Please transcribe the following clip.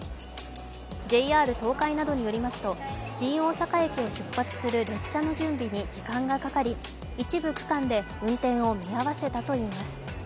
ＪＲ東海などによりますと、新大阪駅を出発する列車の準備に時間がかかり、一部区間で運転を見合わせたといいます。